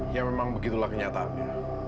ya memang begitulah kenyataannya